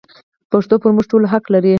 پښتو پر موږ ټولو حق لري.